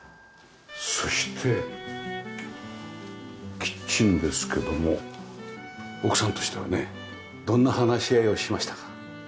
そしてキッチンですけども奥さんとしてはねどんな話し合いをしましたか？